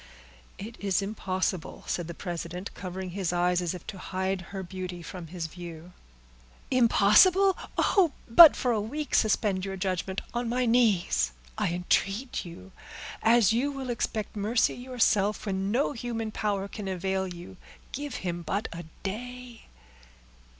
"It is impossible," said the president, covering his eyes, as if to hide her beauty from his view. "Impossible! oh! but for a week suspend your judgment. On my knees I entreat you, as you will expect mercy yourself, when no human power can avail you, give him but a day."